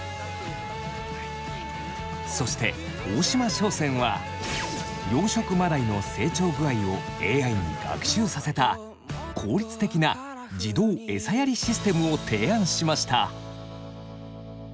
そして大島商船は養殖マダイの成長具合をＡＩに学習させた効率的な自動餌やりシステムを提案しました。